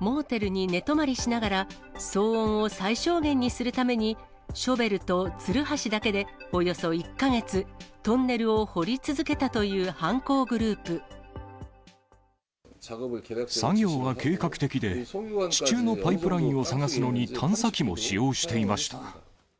モーテルに寝泊まりしながら、騒音を最小限にするために、ショベルとつるはしだけで、およそ１か月、トンネルを掘り続作業は計画的で、地中のパイプラインを探すのに探査機も使用していました。